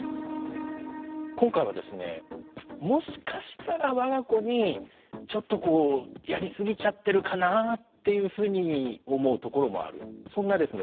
今回はですねもしかしたらわが子にちょっとこうやりすぎちゃってるかなぁっていうふうに思うところもあるそんなですね